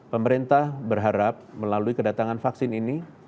pemerintah berharap melalui kedatangan vaksin ini